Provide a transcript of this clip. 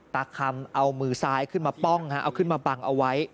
ตาคำเอามือซ้ายขึ้นมาป้องเอาขึ้นมาบังเอาไว้